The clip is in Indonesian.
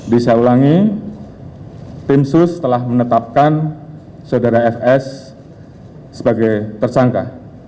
bisa ulangi tim sus telah menetapkan saudara fs sebagai tersangka